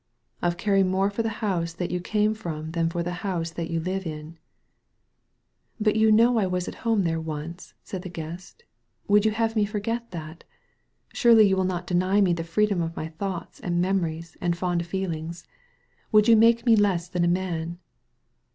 "Of caring more for the house that you came firom than for the house that you live in/' "But you know I was at home there once," said the Guest, "would you have me forget that ? Surely you will not deny me the freedom oi my thoughts and memories and fond feelings. Would you make me less than a man?"